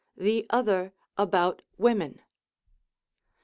the other about women.